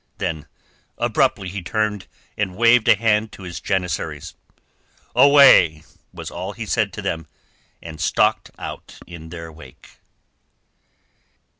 Then abruptly he turned and waved a hand to his janissaries. "Away!" was all he said to them, and stalked out in their wake.